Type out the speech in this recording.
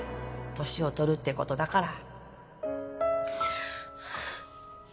年を取るってことだから